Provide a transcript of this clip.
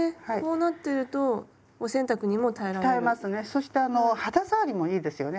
そしてあの肌触りもいいですよね。